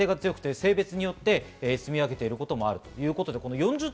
性別によって住み分けていることもあるようです。